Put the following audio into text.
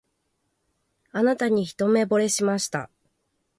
あなたに一目ぼれしました